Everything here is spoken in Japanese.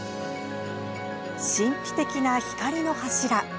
神秘的な光の柱。